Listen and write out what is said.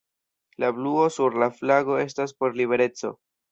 La bluo sur la flago estas por libereco.